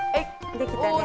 できたねえ。